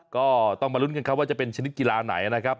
ก็ต้องมาลุ้นกันครับว่าจะเป็นชนิดกีฬาไหนนะครับ